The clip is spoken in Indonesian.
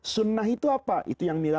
sunnah itu apa